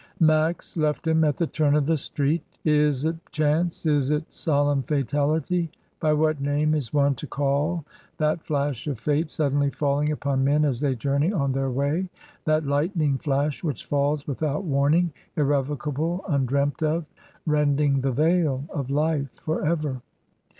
Max left him at the turn of the street. Is it chance, is it solemn fatality — by what name is one to call that flash of fate suddenly falling upon men as they journey on their way, that lightning flash which falls, without warning, irrevocable, un dreamt of, rending the veil of life for ever?